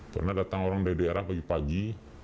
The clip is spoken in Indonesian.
pernah datang orang dari daerah pagi pagi